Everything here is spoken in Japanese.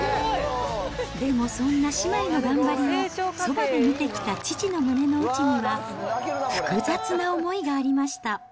でも、そんな姉妹の頑張りをそばで見てきた父の胸の内には、複雑な思いがありました。